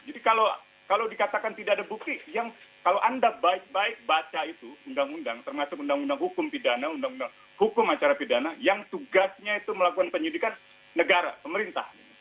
kalau dikatakan tidak ada bukti yang kalau anda baik baik baca itu undang undang termasuk undang undang hukum pidana undang undang hukum acara pidana yang tugasnya itu melakukan penyidikan negara pemerintah